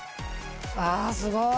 わすごい。